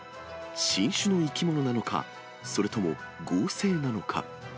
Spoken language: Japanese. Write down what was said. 新種の生き物なのか、それとも合成なのか。